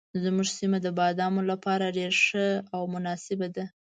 زموږ سیمه د بادامو لپاره ډېره ښه او مناسبه ده.